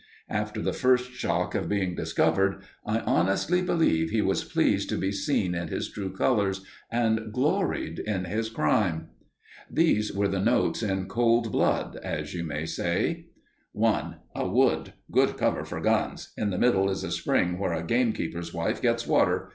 After the first shock of being discovered, I honestly believe he was pleased to be seen in his true colours, and gloried in his crime. These were the notes in cold blood, as you may say: 1. _A wood. Good cover for guns. In the middle is a spring where a gamekeeper's wife gets water.